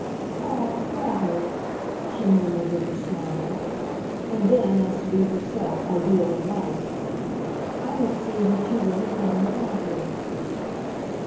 "Ah, rather!" she murmured with her smile. And then, as to be herself ideally right: "I don't see what you would have done without her."